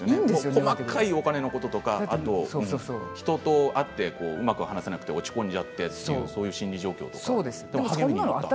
細かいお金のこととか人と会ってうまく話せなくて落ち込んじゃったとかそういう心理状況とか、でも励みになった。